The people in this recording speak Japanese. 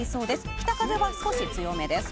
北風、少し強めです。